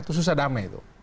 itu susah damai